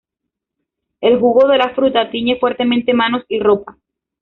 El jugo de la fruta tiñe fuertemente manos y ropa.